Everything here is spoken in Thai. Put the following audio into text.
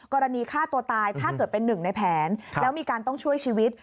กรณีฆ่าตัวตายถ้าเกิดเป็นหนึ่งในแผนแล้วมีการต้องช่วยชีวิต